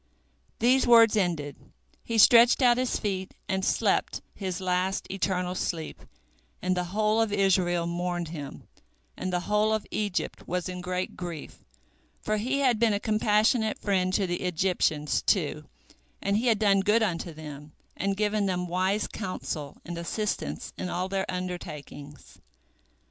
These words ended, he stretched out his feet, and slept his last eternal sleep, and the whole of Israel mourned him, and the whole of Egypt was in great grief, for he had been a compassionate friend to the Egyptians, too, and he had done good unto them, and given them wise counsel and assistance in all their undertakings.